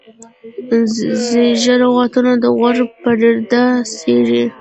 زیږه لغتونه د غوږ پرده څیري.